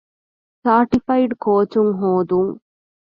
ސާޓިފައިޑް ކޯޗުން ހޯދުން